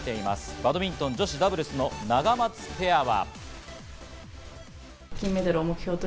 バドミントン女子ダブルス、ナガマツペアは。